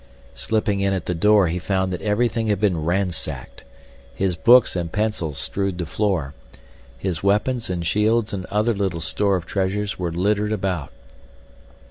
Slipping in at the door he found that everything had been ransacked. His books and pencils strewed the floor. His weapons and shields and other little store of treasures were littered about.